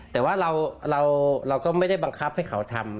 แต่ว่าเราก็ไม่ได้บังคับให้เขาทำ